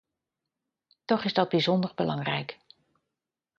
Toch is dat bijzonder belangrijk.